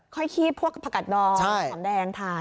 ค่อยคีบพวกผักกัดดองสำแดงทาน